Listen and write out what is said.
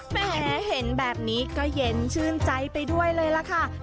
แหมเห็นแบบนี้ก็เย็นชื่นใจไปด้วยเลยล่ะค่ะ